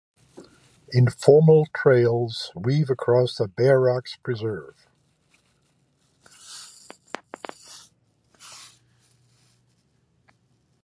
Informal trails weave across the Bear Rocks Preserve.